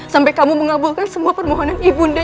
sampai kamu mengabulkan semua permohonan ibu nda